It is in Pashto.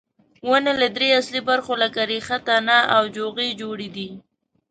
ونې له درې اصلي برخو لکه ریښې، تنه او جوغې جوړې دي.